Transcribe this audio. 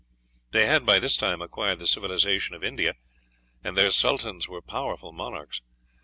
They had by this time acquired the civilization of India, and their sultans were powerful monarchs.